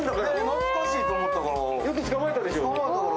懐かしいと思ったから、よく捕まえたから。